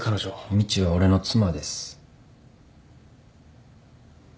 みちは俺の妻です。